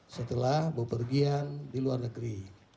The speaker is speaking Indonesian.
setelah bepergian di luar negeri